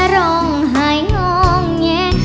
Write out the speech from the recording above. ร้องหายองงแย